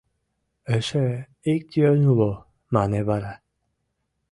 — Эше ик йӧн уло, — мане вара.